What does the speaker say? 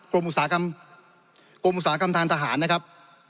กรมอุตสาหกรรมทางทหารนะครับ